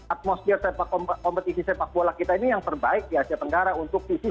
atmosfer kompetisi sepak bola kita ini yang terbaik di asia tenggara untuk visi